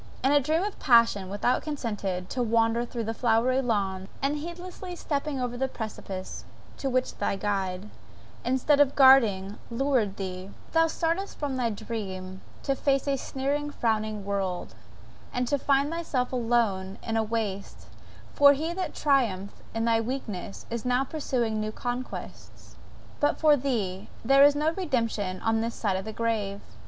In a dream of passion thou consentedst to wander through flowery lawns, and heedlessly stepping over the precipice to which thy guide, instead of guarding, lured thee, thou startest from thy dream only to face a sneering, frowning world, and to find thyself alone in a waste, for he that triumphed in thy weakness is now pursuing new conquests; but for thee there is no redemption on this side the grave!